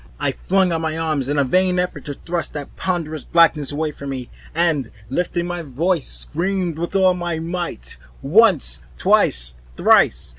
I flung out my arms in a vain effort to thrust that ponderous blackness away from me, and lifting up my voice, screamed with all my might, once, twice, thrice.